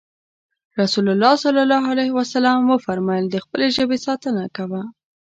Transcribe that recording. رسول الله ص وفرمايل د خپلې ژبې ساتنه کوه.